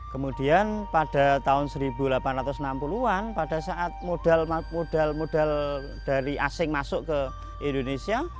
kemudian pada tahun seribu delapan ratus enam puluh an pada saat modal modal dari asing masuk ke indonesia